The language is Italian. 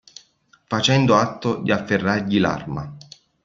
Facendo atto di afferrargli l'arma.